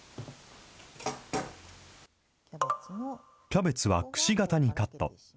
キャベツはくし形にカット。